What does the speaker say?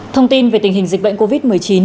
thông tin về tình hình dịch bệnh covid một mươi chín